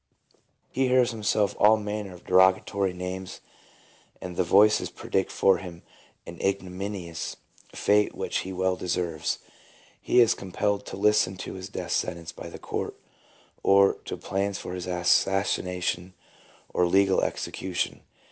He hears himself called all manner of derogatory names, and the voices predict for him an ignominious fate which he well deserves. He is compelled to listen to his death sentence by the court, or to plans for his assassination or legal execution.